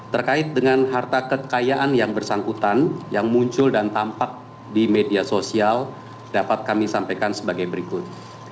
terkait dengan harta kekayaan yang bersangkutan yang muncul dan tampak di media sosial dapat kami sampaikan sebagai berikut